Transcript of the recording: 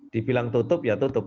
dibilang tutup ya tutup